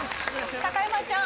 高山ちゃん。